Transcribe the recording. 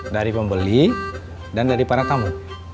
dari pembeli dan dari para tamu